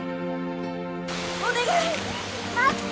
お願い待って